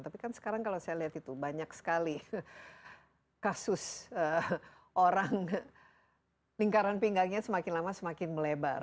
tapi kan sekarang kalau saya lihat itu banyak sekali kasus orang lingkaran pinggangnya semakin lama semakin melebar